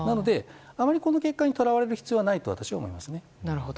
あまりこの結果にとらわれる必要はないと思いますね。